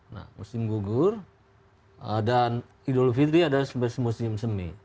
nah musim gugur dan idul fitri adalah musim semi